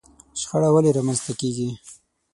شخړه ولې رامنځته کېږي؟